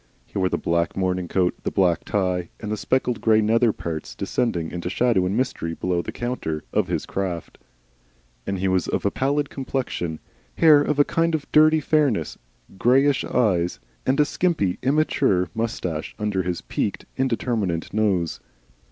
He wore the black morning coat, the black tie, and the speckled grey nether parts (descending into shadow and mystery below the counter) of his craft. He was of a pallid complexion, hair of a kind of dirty fairness, greyish eyes, and a skimpy, immature moustache under his peaked indeterminate nose.